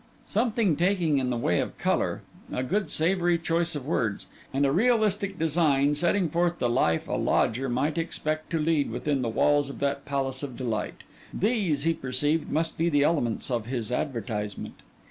Something taking in the way of colour, a good, savoury choice of words, and a realistic design setting forth the life a lodger might expect to lead within the walls of that palace of delight: these, he perceived, must be the elements of his advertisement.